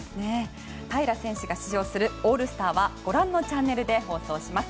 平良選手が出場するオールスターはご覧のチャンネルで放送します。